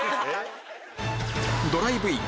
ドライブイン